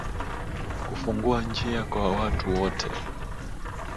Kufungua njia kwa watu wote.